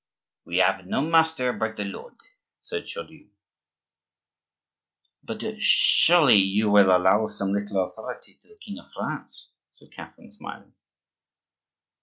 "We have no master but the Lord," said Chaudieu. "But surely you will allow some little authority to the king of France?" said Catherine, smiling.